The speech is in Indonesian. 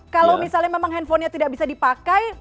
kalau misalnya memang handphonenya tidak bisa dipakai